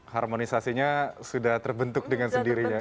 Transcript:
harmonisasinya sudah terbentuk dengan sendirinya